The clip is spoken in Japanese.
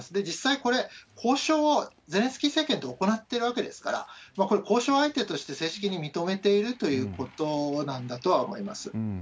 実際これ、交渉をゼレンスキー政権で行ってるわけですから、これ、交渉相手として正式に認めているということなんだとは思います。